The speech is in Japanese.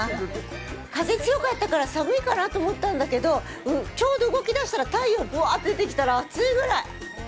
風強かったから寒いかなと思ったんだけどちょうど動きだしたら太陽がぶわっと出てきたら暑いぐらい。